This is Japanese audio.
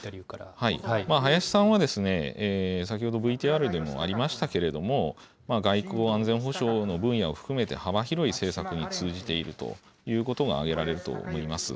林さんは、先ほど、ＶＴＲでもありましたけれども、外交・安全保障の分野を含めて、幅広い政策に通じているということが挙げられると思います。